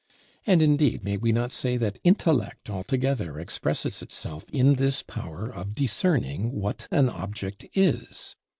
And indeed may we not say that intellect altogether expresses itself in this power of discerning what an object is?